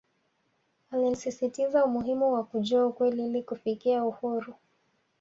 Alisisitiza umuhimu wa kujua ukweli ili kufikia uhuru